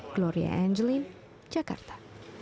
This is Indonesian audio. gloria angeline jakarta